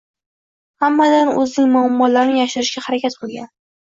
hammadan o‘zining muammolarini yashirishga harakat qilgan.